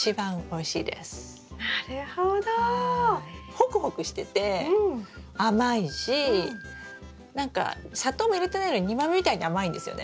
ホクホクしてて甘いし何か砂糖も入れてないのに煮豆みたいに甘いんですよね。